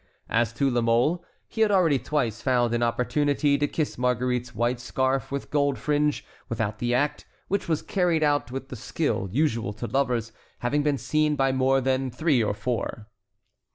As to La Mole he had already twice found an opportunity to kiss Marguerite's white scarf with gold fringe, without the act, which was carried out with the skill usual to lovers, having been seen by more than three or four.